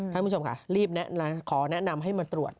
คุณผู้ชมค่ะรีบขอแนะนำให้มาตรวจ